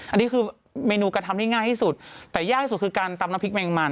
อันนี้คือเมนูกระทำที่ง่ายที่สุดแต่ยากที่สุดคือการตำน้ำพริกแมงมัน